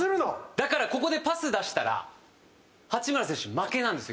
だからここでパス出したら八村選手、負けなんですよ